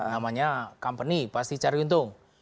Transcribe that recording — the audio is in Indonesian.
namanya company pasti cari untung